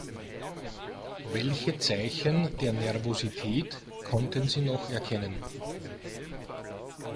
Welche Zeichen der Nervosität konnten Sie noch erkennen?